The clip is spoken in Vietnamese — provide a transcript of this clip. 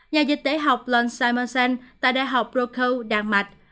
nhà dịch tế học lund simonsen tại đại học brokaw đan mạch